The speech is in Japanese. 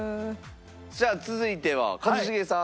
じゃあ続いては一茂さん。